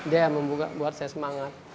dia membuka buat saya semangat